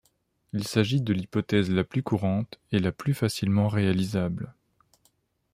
Il s'agit de l'hypothèse la plus courante et la plus facilement réalisable.